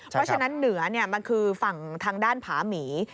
เพราะฉะนั้นเหนือมันคือฝั่งทางด้านผาหมี